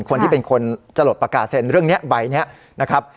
คนที่เป็นคนจะหลดประกาศเซ็นเรื่องนี้ใบนี้นะครับ